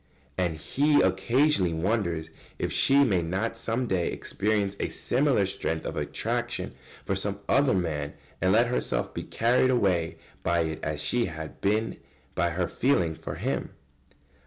And he occasionally wonders if she may not some day experience a similar strength of attraction for some other man and let herself be carried away by it as she had been by her feeling for him.